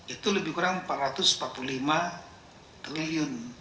itu lebih kurang empat ratus empat puluh lima triliun